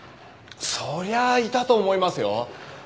そりゃあいたと思いますよ。